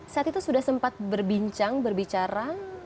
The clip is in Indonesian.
saat itu sudah sempat berbincang berbicara